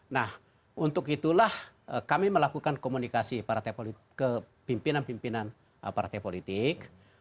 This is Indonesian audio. nah untuk itulah kami melakukan komunikasi ke pimpinan pimpinan partai politik